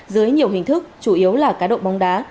dưới nhiều hình thức chủ yếu là cá độ bóng đá